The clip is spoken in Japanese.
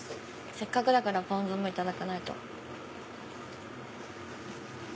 せっかくだからポン酢もいただかないと。